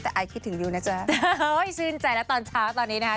แต่ไอคิดถึงอยู่นะจ๊ะชื่นใจแล้วตอนเช้าตอนนี้นะคะ